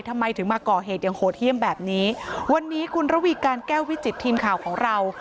ทำไมถึงมาก่อเหตุอย่างโหดเยี่ยมแบบนี้วันนี้คุณระวีการแก้ววิจิตทีมข่าวของเรา